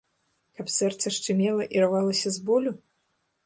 Каб сэрца шчымела і рвалася з болю?